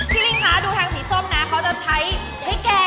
ลิงคะดูทางสีส้มนะเขาจะใช้พริกแกง